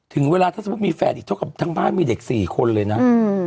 ถึงเวลาถ้าสมมุติมีแฟนอีกเท่ากับทั้งบ้านมีเด็กสี่คนเลยนะ